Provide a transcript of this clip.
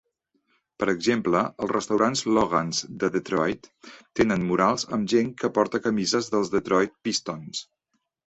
Per exemple, els restaurants Logan's de Detroit tenen murals amb gent que porta camises dels Detroit Pistons.